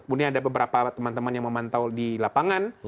kemudian ada beberapa teman teman yang memantau di lapangan